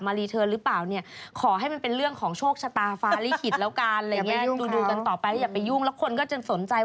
เพื่อนอย่างนี้มากกว่าอยากทราบจากอ้ำอ่ะนี่เหรอคนนี้เหรอฮะ